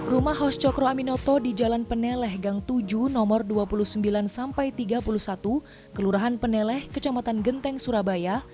rumah hos cokro aminoto di jalan peneleh gang tujuh nomor dua puluh sembilan tiga puluh satu kelurahan peneleh kecamatan genteng surabaya